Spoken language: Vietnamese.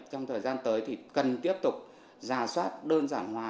trong thời gian tới thì cần tiếp tục giả soát đơn giản hóa